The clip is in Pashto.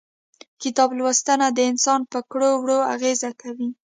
کتاب لوستنه د انسان پر کړو وړو اغيزه کوي.